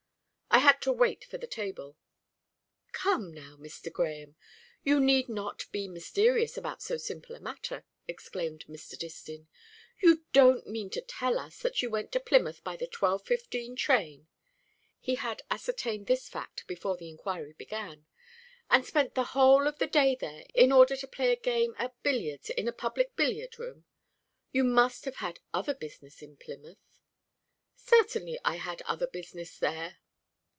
"I had to wait for the table." "Come now, Mr. Grahame, you need not be mysterious about so simple a matter," exclaimed Mr. Distin. "You don't mean to tell us that you went to Plymouth by the 12.15 train" he had ascertained this fact before the inquiry began "and spent the whole of the day there, in order to play a game at billiards in a public billiard room. You must have had other business in Plymouth." "Certainly. I had other business there."